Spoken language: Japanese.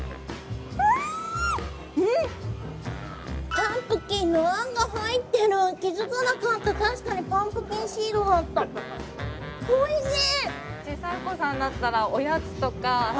パンプキンのあんが入ってる気付かなかった確かにパンプキンシードだったおいしい！